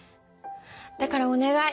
だからおねがい